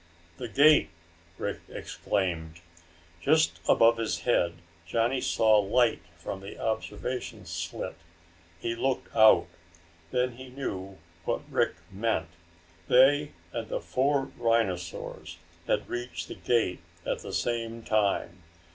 "The gate!" Rick exclaimed. Just above his head Johnny saw light from the observation slit. He looked out. Then he knew what Rick meant. They and the four rhinosaurs had reached the gate at the same time.